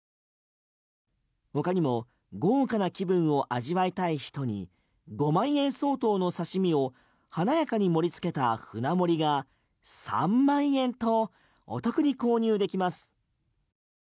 他にも豪華な気分を味わいたい人に５万円相当の刺身を華やかに盛り付けた舟盛りが３万円と、お得に購入できます。